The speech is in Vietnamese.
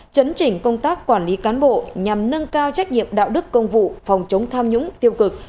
chấn chỉnh công tác quản lý cán bộ nhằm nâng cao trách nhiệm đạo đức công vụ phòng chống tham nhũng tiêu cực